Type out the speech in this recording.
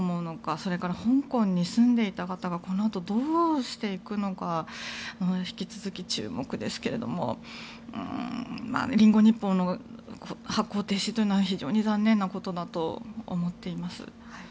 それから、香港に住んでいた方がこのあとどうしていくのか引き続き注目ですけれどもリンゴ日報の発行停止というのは非常に残念なことだと思っています。